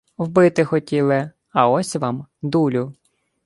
Вбити хотіли. А ось вам – дулю!